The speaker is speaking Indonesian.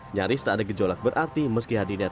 nyaris tak ada gejolak berarti meski hadirnya